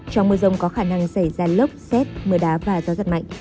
trong mưa rông có khả năng xảy ra lốc xét mưa đá và gió giật mạnh